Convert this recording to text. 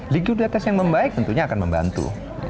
likuiditas yang membaik tentunya akan membantu